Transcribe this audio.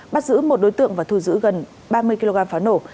bắt giữ một đối tượng và thu giữ gần ba mươi kg pháo nổ